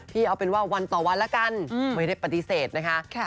เอาเป็นว่าวันต่อวันละกันไม่ได้ปฏิเสธนะคะ